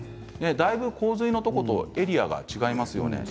だいぶ洪水のところとエリアが違いますよね。